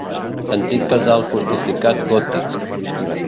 Antic casal fortificat gòtic.